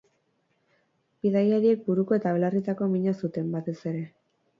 Bidaiariek buruko eta belarrietako mina zuten, batez ere.